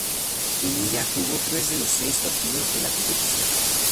Pinilla jugó tres de los seis partidos de la competición.